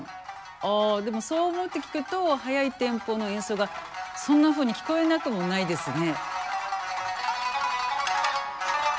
あでもそう思って聴くと速いテンポの演奏がそんなふうに聞こえなくもないですね。